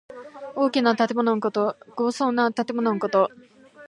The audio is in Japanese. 大きな建物のこと。豪壮な建物のこと。